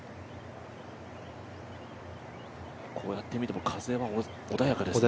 こうやって見ても風は穏やかですね。